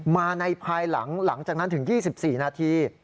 มาในภายหลังจากนั้นถึง๒๔นาที